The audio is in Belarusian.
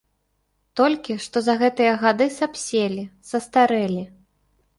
Толькі што за гэтыя гады сапселі, састарэлі.